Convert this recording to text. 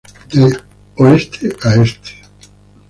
De oeste a este.